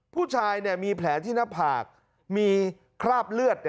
ผู้ชายมีแผลที่หน้าผากมีคราบเลือด